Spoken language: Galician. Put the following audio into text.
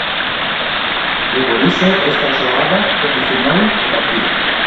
E por iso esta xogada condicionou o partido.